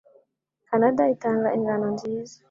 Kanada itanga ingano nziza